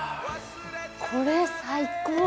これ最高。